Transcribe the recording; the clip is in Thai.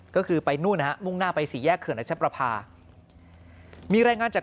ก็คือไปนู่นนะฮะมุ่งหน้าไปสี่แยกเขื่อนรัชประพามีรายงานจาก